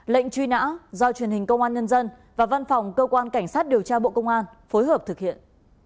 lệnh truy nã do truyền hình công an nhân dân và văn phòng cơ quan cảnh sát điều tra bộ công an phối hợp thực hiện